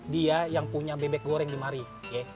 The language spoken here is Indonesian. dia yang punya bebek goreng di mari yeh